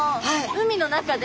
海の中で。